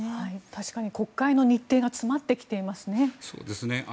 確かに国会の日程が詰まってきていますね。